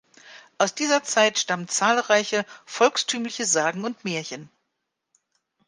Aus dieser Zeit stammen zahlreiche volkstümliche Sagen und Märchen.